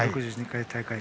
６２回大会。